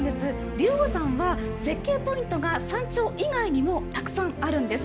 竜王山は絶景ポイントが山頂以外にもたくさんあるんです。